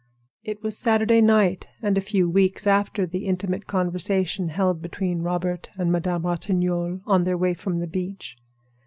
It was Saturday night a few weeks after the intimate conversation held between Robert and Madame Ratignolle on their way from the beach.